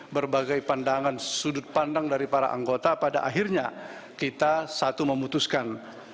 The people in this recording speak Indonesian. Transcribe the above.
berbagai pandangan sudut pandang dari para anggota pada akhirnya kita satu memutuskan